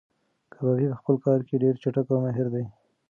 کبابي په خپل کار کې ډېر چټک او ماهیر دی.